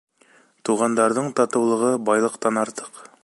Туғандарҙың татыулығы байлыҡтан артыҡ.